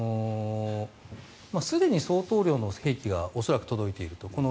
すでに相当量の兵器が恐らく届いているだろうと。